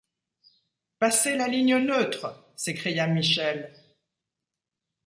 Passer la ligne neutre! s’écria Michel.